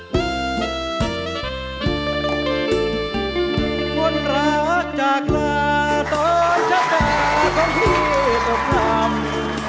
จากลาตอนช้าตาตอนพี่ตกคำ